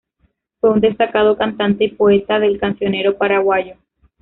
Fue un destacado cantante y poeta del cancionero paraguayo.